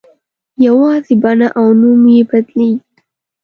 یوازې بڼه او نوم یې بدلېږي.